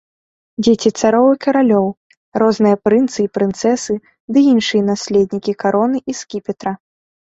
Дзеці цароў і каралёў, розныя прынцы і прынцэсы ды іншыя наследнікі кароны і скіпетра.